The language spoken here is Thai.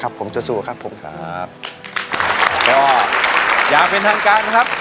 บังคิดเถอะอยากเป็นท่านการ์นะครับ